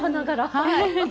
はい。